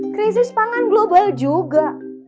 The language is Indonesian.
krisis pangan global juga